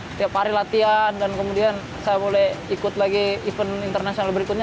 setiap hari latihan dan kemudian saya mulai ikut lagi event internasional berikutnya